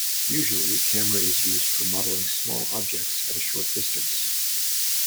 Usually, camera is used for modeling small objects at a short distance.